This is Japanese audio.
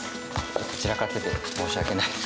散らかってて申し訳ないです。